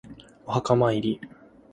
お墓参り